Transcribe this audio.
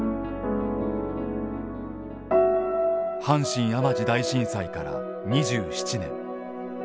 阪神・淡路大震災から２７年。